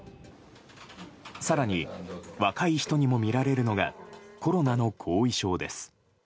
更に、若い人にも見られるのがコロナの後遺症です。